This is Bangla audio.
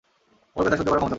ওর ব্যথা সহ্য করার ক্ষমতা কম।